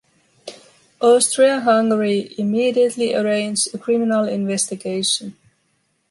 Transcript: Austria-Hungary immediately arranged a criminal investigation.